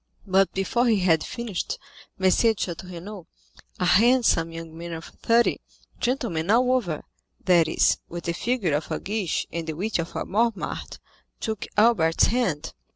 But before he had finished, M. de Château Renaud, a handsome young man of thirty, gentleman all over,—that is, with the figure of a Guiche and the wit of a Mortemart,—took Albert's hand.